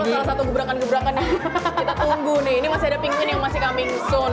salah satu gebrakan gebrakan yang kita tunggu nih ini masih ada pingin yang masih kaming soon